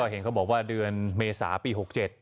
เห็นเขาบอกว่าเดือนเมษาปี๖๗